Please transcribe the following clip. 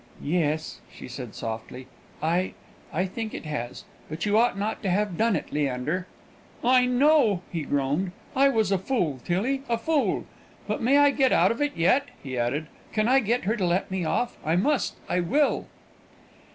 "Yes," she said softly. "I I think it has; but you ought not to have done it, Leander." "I know," he groaned. "I was a fool, Tillie; a fool! But I may get out of it yet," he added. "I can get her to let me off. I must I will!"